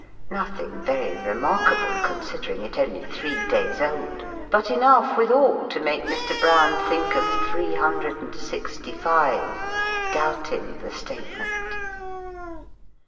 nothing very remarkable, considering it only three days' old; but enough, withal, to make Mr. Brown think of three hundred and sixty five doubting the statement.